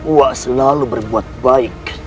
wak selalu berbuat baik